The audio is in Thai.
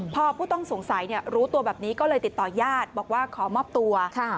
พอผู้ต้องสงสัยรู้ตัวแบบนี้ก็เลยติดต่อยาดบอกว่าขอมอบตัว